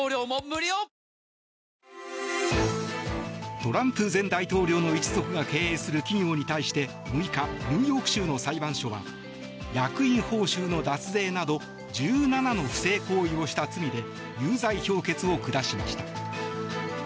トランプ前大統領の一族が経営する企業に対して６日、ニューヨーク州の裁判所は役員報酬の脱税など１７の不正行為をした罪で有罪評決を下しました。